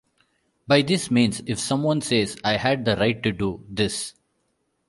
But this means: If someone says: I had 'the right' to do this.